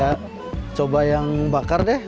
ya coba yang bakar deh